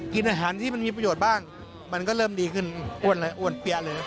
กินอาหารที่มันมีประโยชน์บ้างมันก็เริ่มดีขึ้นอ้วนเลยอ้วนเปี้ยเลย